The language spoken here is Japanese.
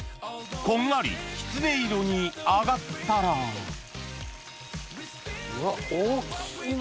こんがりきつね色に揚がったらうわっ大きいな。